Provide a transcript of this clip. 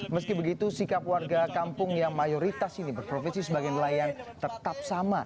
meski begitu sikap warga kampung yang mayoritas ini berprofesi sebagai nelayan tetap sama